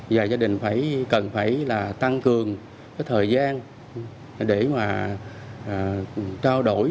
giờ gia đình cần phải tăng cường thời gian để mà trao đổi